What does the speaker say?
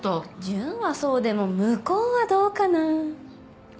純はそうでも向こうはどうかな？